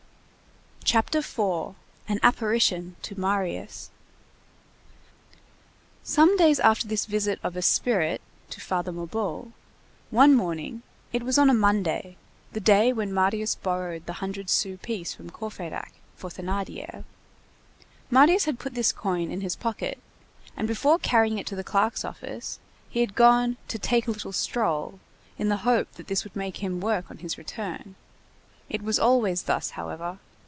CHAPTER IV—AN APPARITION TO MARIUS Some days after this visit of a "spirit" to Farmer Mabeuf, one morning,—it was on a Monday, the day when Marius borrowed the hundred sou piece from Courfeyrac for Thénardier—Marius had put this coin in his pocket, and before carrying it to the clerk's office, he had gone "to take a little stroll," in the hope that this would make him work on his return. It was always thus, however.